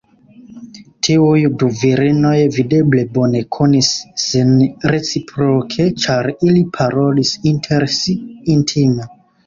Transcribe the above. Tiuj du virinoj videble bone konis sin reciproke, ĉar ili parolis inter si intime.